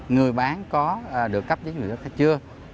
người bán có được cấp giấy người đất hay chưa